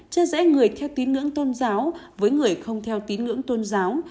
chia rẽ người theo tín ngưỡng tôn giáo với người không theo tín ngưỡng tôn giáo